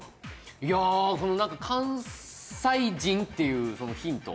いやこの何か関西人っていうヒント